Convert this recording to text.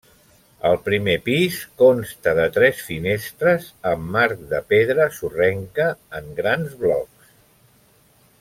El primer pis consta de tres finestres amb marc de pedra sorrenca en grans blocs.